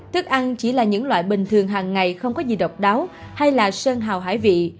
thức ăn chỉ là những loại bình thường hàng ngày không có gì độc đáo hay là sơn hào hải vị